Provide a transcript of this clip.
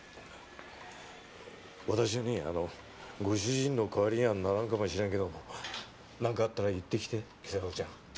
私にご主人の代わりにはならんかもしれんけど何かあったら言ってきて今朝子ちゃん。